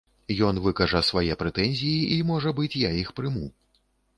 Ён выкажа свае прэтэнзіі, і, можа быць, я іх прыму.